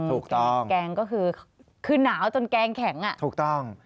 แกงก็คือคือหนาวจนแกงแข็งอ่ะถูกต้อง